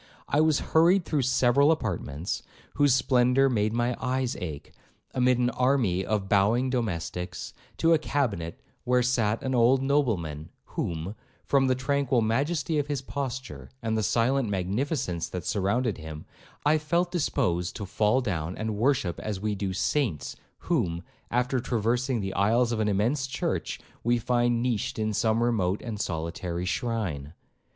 I was hurried through several apartments, whose splendour made my eyes ache, amid an army of bowing domestics, to a cabinet where sat an old nobleman, whom, from the tranquil majesty of his posture, and the silent magnificence that surrounded him, I felt disposed to fall down and worship as we do those saints, whom, after traversing the aisles of an immense church, we find niched in some remote and solitary shrine.